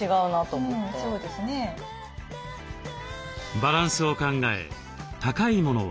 バランスを考え高いものは後ろへ。